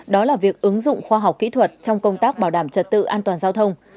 đó là việc ứng dụng khoa học kỹ thuật trong công tác bảo đảm trật tự an toàn giao thông